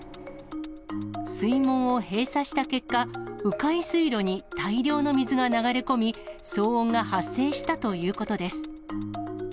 水門を閉鎖した結果、う回水路に大量の水が流れ込み、騒音が発生したということです。